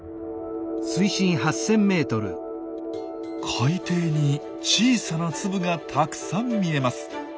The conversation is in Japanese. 海底に小さな粒がたくさん見えます。